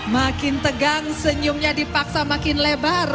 makin tegang senyumnya dipaksa makin lebar